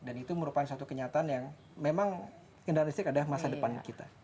dan itu merupakan satu kenyataan yang memang kendaraan listrik adalah masa depan kita